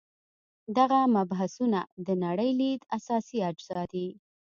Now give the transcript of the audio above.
دغه مبحثونه د نړۍ لید اساسي اجزا دي.